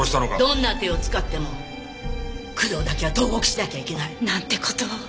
どんな手を使っても工藤だけは投獄しなきゃいけない！なんて事を。